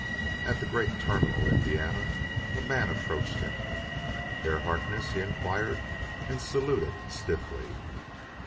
At the great terminal in Vienna a man approached him. "Herr Harkness?" he inquired, and saluted stiffly.